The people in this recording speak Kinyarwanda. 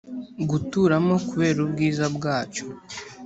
guturamo kubera ubwiza bwacyo.